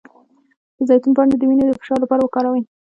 د زیتون پاڼې د وینې د فشار لپاره وکاروئ